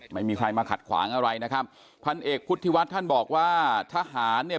ไม่มีใครมาขัดขวางอะไรนะครับพันเอกพุทธิวัฒน์ท่านบอกว่าทหารเนี่ย